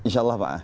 insya allah pak